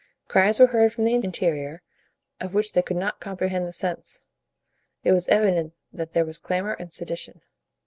Cries were heard from the interior, of which they could not comprehend the sense. It was evident that there was clamor and sedition.